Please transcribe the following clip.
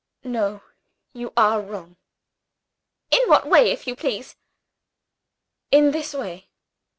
"No; you are wrong." "In what way, if you please?" "In this way.